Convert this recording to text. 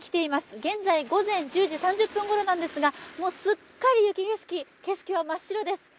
現在、午前１０時３０分ごろなんですがすっかり雪景色、景色は真っ白です。